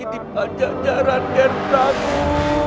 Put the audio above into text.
di panjang jalan ger prabu